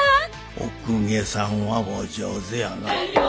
お公家さんはお上手やなぁ。